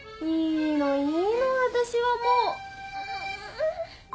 いいのいいの私はもうん。